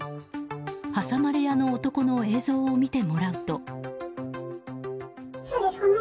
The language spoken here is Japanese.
挟まれ屋の男の映像を見てもらうと。